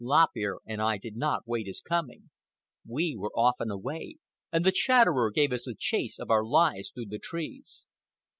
Lop Ear and I did not wait his coming. We were off and away, and the Chatterer gave us the chase of our lives through the trees.